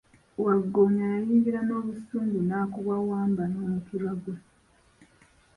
Waggoonya yayingira n'obusungu n'akuba Wambwa n'omukira gwe.